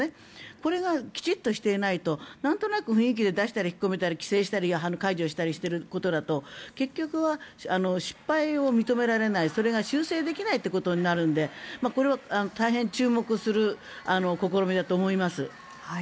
これがきちんとしていないとなんとなく雰囲気で出したり引っ込めたり規制したり解除したりしていると結局は失敗を認められないそれが修正できないということになるのでこれは大変注目する試みだと思います。